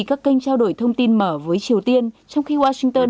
các kênh trao đổi thông tin mở với triều tiên trong khi washington